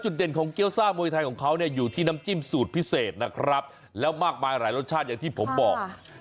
จุดเด่นของเกี๊ยวซ่ามวัวไทยของเขาอยู่ที่น้ำจิ้มสูตรพิเศษและมากมายรสชาติอย่างที่ผมบอก